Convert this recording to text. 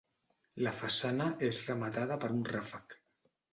La façana és rematada per un ràfec.